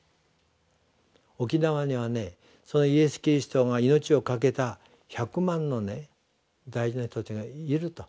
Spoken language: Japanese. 沖縄にはそのイエス・キリストが命をかけた百万の大事な人たちがいると。